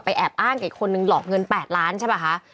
แอบอ้างกับอีกคนนึงหลอกเงิน๘ล้านใช่ป่ะคะ